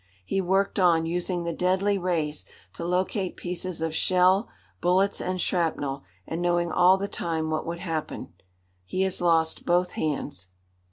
He worked on, using the deadly rays to locate pieces of shell, bullets and shrapnel, and knowing all the time what would happen. He has lost both hands.